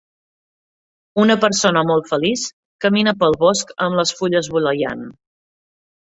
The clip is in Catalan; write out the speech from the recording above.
Una persona molt feliç camina pel bosc amb les fulles voleiant.